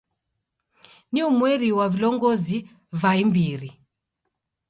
Nio umweri wa vilongozi va imbiri.